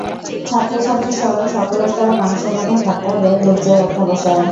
ছাত্র ছাত্রীসহ সকল স্তরের মানুষের মধ্যে থাকতে হবে দুর্জয় অধ্যবসায়।